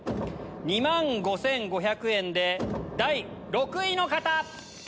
２万５５００円で第６位の方！